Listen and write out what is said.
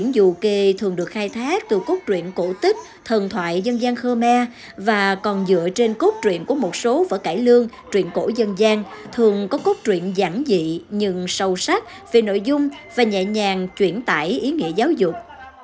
dù kê thường được khai thác từ cốt truyện cổ tích thần thoại dân gian khmer và còn dựa trên cốt truyện của một số vở cải lương truyền cổ dân gian thường có cốt truyện giảng dị nhưng sâu sắc về nội dung và nhẹ nhàng chuyển tải ý nghĩa giáo dục